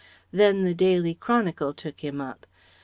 Then the Daily Chronicle took him up.